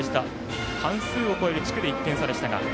半数を超える地区で１点差でした。